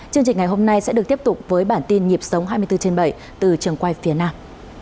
chương trình ngày hôm nay sẽ được tiếp tục với bản tin nhịp sống hai mươi bốn trên bảy từ trường quay phía nam